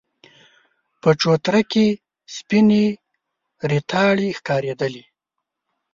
په چوتره کې سپينې ريتاړې ښکارېدلې.